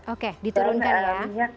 oke diturunkan ya porsinya